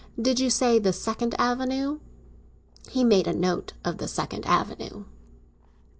"Did you say the Second Avenue?" He made a note of the Second Avenue.